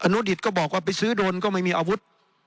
นุดิตก็บอกว่าไปซื้อโดนก็ไม่มีอาวุธ